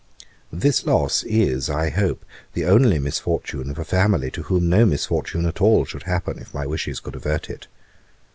'This loss is, I hope, the only misfortune of a family to whom no misfortune at all should happen, if my wishes could avert it.